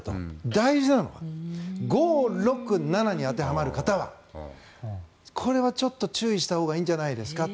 大事なのは５、６、７に当てはまる方はこれはちょっと注意したほうがいいんじゃないですか。